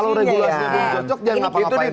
kalau regulasi belum cocok jangan ngapa ngapain dulu dong